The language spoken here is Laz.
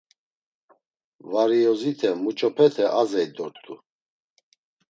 Variyozite muç̌opete azey dort̆u?